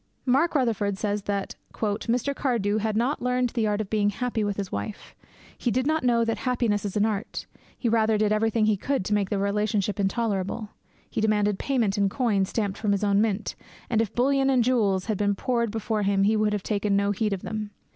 Mark Rutherford says that 'Mr. Cardew had not learned the art of being happy with his wife; he did not know that happiness is an art; he rather did everything he could do to make the relationship intolerable. He demanded payment in coin stamped from his own mint, and if bullion and jewels had been poured before him he would have taken no heed of them.